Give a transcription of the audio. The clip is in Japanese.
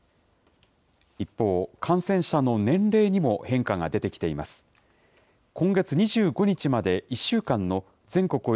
一方、感染者の年齢にも変化が出てきています。今月２５日まで１週間の全国